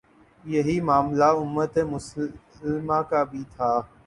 یہی معاملہ امت مسلمہ کا بھی تھا۔